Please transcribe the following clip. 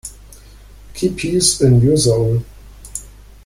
Keep peace in your soul.